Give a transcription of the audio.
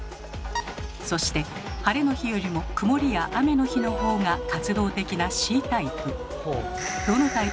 そして晴れの日よりもくもりや雨の日の方が活動的な「Ｃタイプ」。